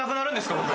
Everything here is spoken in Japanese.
僕。